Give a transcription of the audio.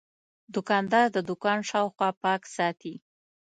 دوکاندار د دوکان شاوخوا پاک ساتي.